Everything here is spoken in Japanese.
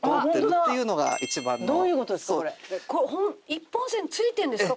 一本線ついてるんですか？